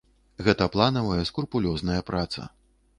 Гэта планавая, скрупулёзная праца.